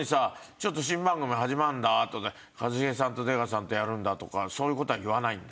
ちょっと新番組始まるんだとか一茂さんと出川さんとやるんだとかそういう事は言わないんだ？